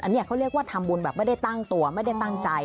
อันนี้เขาเรียกว่าทำบุญแบบไม่ได้ตั้งตัวไม่ได้ตั้งใจ